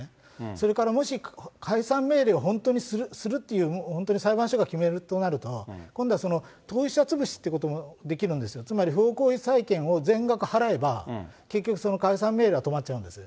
それからもし解散命令本当にするっていう、本当に裁判所が決めるとなると、今度は当事者潰しっていうのができるんですよ、つまり不法行為債権を全額払えば、結局、その解散命令は止まっちゃうんです。